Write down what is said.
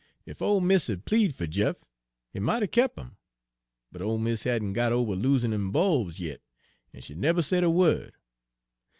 Ef ole mis' had ple'd fer Jeff, he mought 'a' kep' 'im. But ole mis' hadn' got ober losin' dem bulbs yit, en she neber said a wo'd.